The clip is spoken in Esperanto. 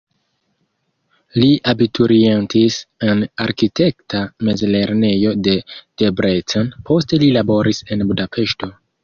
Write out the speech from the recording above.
Li abiturientis en arkitekta mezlernejo en Debrecen, poste li laboris en Budapeŝto.